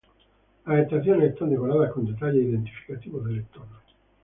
Las estaciones están decoradas con detalles identificativos del entorno.